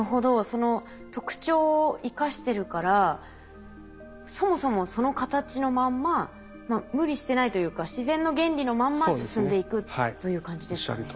その特徴を生かしてるからそもそもその形のまんま無理してないというか自然の原理のまんま進んでいくという感じですかね。